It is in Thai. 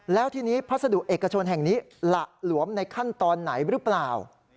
แล้วทีนี้พัสดุเอกชนแห่งนี้หละหลวมในขั้นตอนไหนหรือเปล่า